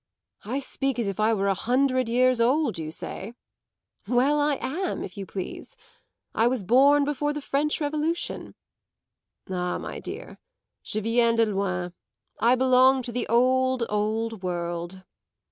I speak as if I were a hundred years old, you say? Well, I am, if you please; I was born before the French Revolution. Ah, my dear, je viens de loin; I belong to the old, old world.